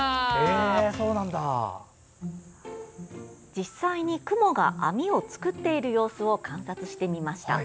実際にクモが網を作っている様子を観察してみました。